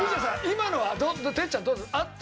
今のは哲ちゃんどう合ってた？